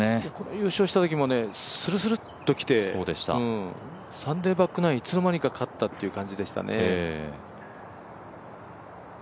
優勝したときも、するするっときてサンデーバックナイン、いつのまにか勝ったという感じでしたね。